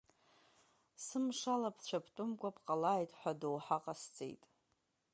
Сымшала бцәабтәымкәа бҟалааит ҳәа адоуҳа ҟасҵеит.